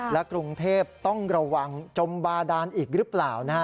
และกรุงเทพต้องระวังจมบาดานอีกหรือเปล่านะฮะ